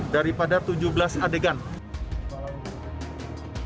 dari pada tujuh belas adegan